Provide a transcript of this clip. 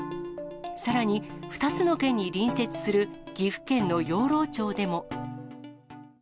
さらに、２つの県に隣接する岐阜県の養老町でも。